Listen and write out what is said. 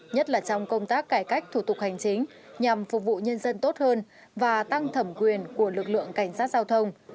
nhất là trong công tác cải cách thủ tục hành chính nhằm phục vụ nhân dân tốt hơn và tăng thẩm quyền của lực lượng cảnh sát giao thông